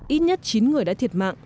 ít nhất chín người đã thiệt mạng